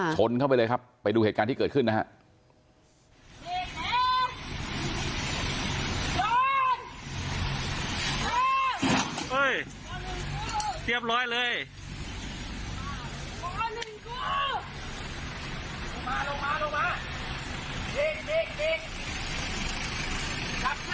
ชนเข้าไปเลยครับไปดูเหตุการณ์ที่เกิดขึ้นนะครับ